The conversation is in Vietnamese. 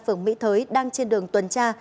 phường mỹ thới đang trên đường tuần tra